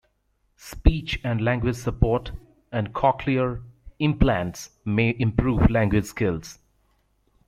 Speech and language support and cochlear implants may improve language skills.